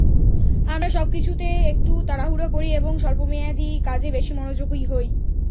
আমরা সবকিছুতে একটু তাড়াহুড়া করি এবং স্বল্পমেয়াদি কাজে বেশি মনোযোগী হই।